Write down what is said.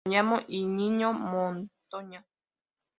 Me llamo Íñigo Montoya.